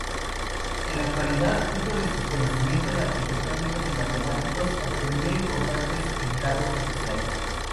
En la ciudad, fruto de sus conocimientos arquitectónicos y matemáticos, obtendría importantes encargos oficiales.